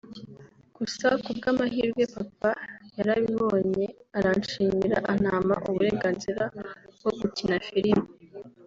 Gusa ku bw’amahirwe Papa yarayibonye aranshimira anampa uburenganzira bwo gukina filime